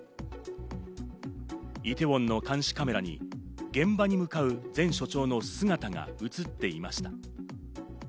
イテウォンの監視カメラに、現場に向かう前署長の姿が映っていました。